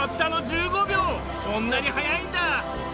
こんなに早いんだ！